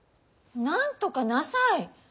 なんとかなさい！